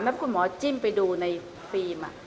แล้วคุณหมอจิ้มไปดูในฟิล์ม